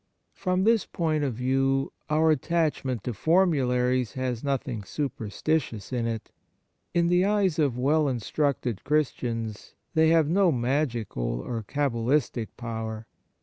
From this point of view, our attachment to formularies has nothing superstitious in it. In the eyes of well instructed Christians, they have no magical or cabalistic power.